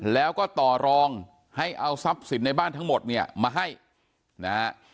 แล้วก็ต่อรองให้เอาทรัพย์สินในบ้านทั้งหมดเนี่ยมาให้นะฮะ